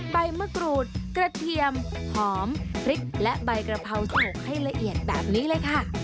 ใบมะกรูดกระเทียมหอมพริกและใบกระเพราโฉกให้ละเอียดแบบนี้เลยค่ะ